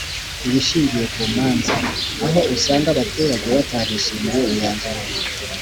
ibishingiye ku manza aho usanga abaturage batarishimiye imyanzuro